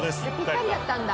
ぴったりだったんだ。